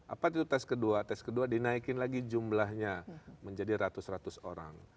apa itu tes kedua tes kedua dinaikin lagi jumlahnya menjadi ratus ratus orang